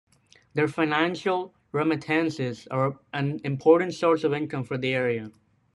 Their financial remittances are an important source of income for the area.